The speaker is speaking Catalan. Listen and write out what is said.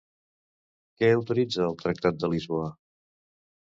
Què autoritza el Tractat de Lisboa?